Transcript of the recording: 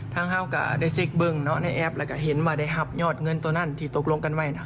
ทั้งฮาวก็ได้เสียบึงเนอะในแอปแล้วก็เห็นว่าได้หับยอดเงินตัวนั้นที่ตกลงกันไว้น่ะ